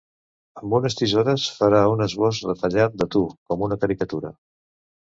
Amb unes tisores, farà un esbós retallat de tu, com una caricatura.